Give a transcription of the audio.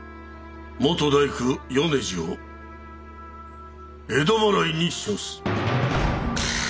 元大工米次を江戸払いに処す！